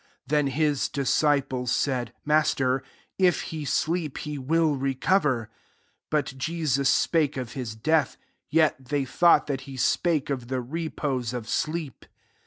12 Then his disciples said, «* Master, if he sleep, he will recover." 13 But Jesus spake of his death : yet they thought that he spake of the repose of sleep.